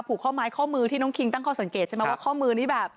ผูกข้อไม้ข้อมือที่น้องคิงตั้งข้อสังเกตใช่ไหมว่าข้อมือนี่แบบ